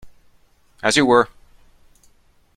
As you were!